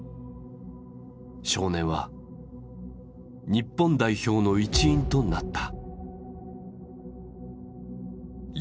少年は日本代表の一員となった。